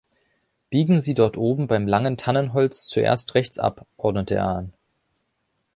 „Biegen Sie dort oben beim langen Tannenholz zuerst rechts ab“, ordnete er an.